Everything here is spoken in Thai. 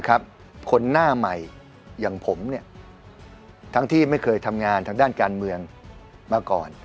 คนหน้าใหม่อย่างผมทั้งที่ไม่เคยทำงานทางด้านการเมืองมาก่อน